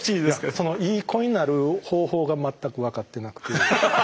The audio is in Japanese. その良い子になる方法が全く分かってなくて。